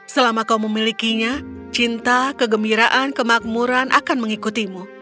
selama kau memilikinya cinta kegembiraan kemakmuran akan mengikutimu